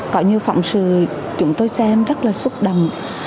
cõi như phẩm sự chúng tôi xem rất là xúc đầm